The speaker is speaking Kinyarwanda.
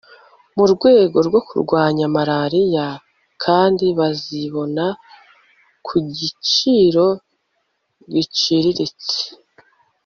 mu rwego rwo kurwanya malaria kandi bazibona ku giciro giciriritse